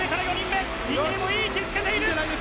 池江もいい位置につけている！